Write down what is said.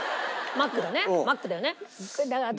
マックだよね。